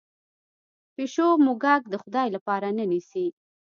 پیشو موږک د خدای لپاره نه نیسي.